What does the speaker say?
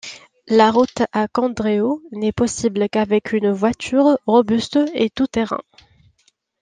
La route à Kandreho n’est possible qu’avec une voiture robuste et tout terrain.